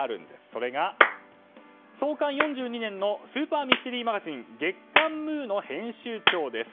それが、創刊４２年のスーパーミステリーマガジン月刊「ムー」の編集長です。